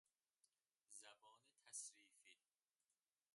زبان تصریفی